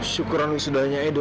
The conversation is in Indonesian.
syukuran wisudahnya edo